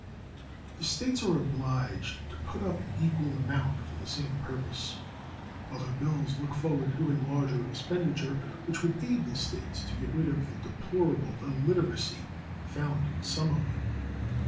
The states are obliged to put up an equal amount for the same purpose. Other bills look forward to a larger expenditure which would aid the states to get rid of the deplorable illiteracy found in some of them.